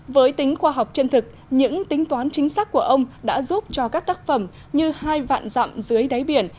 với tính khoa học chân thực những tính toán chính xác của ông đã giúp cho các tác phẩm như hai vạn dặm dưới đáy biển